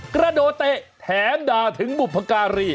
กระโดดเตะแถมด่าถึงบุพการี